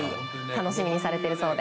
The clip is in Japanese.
楽しみにされているそうで。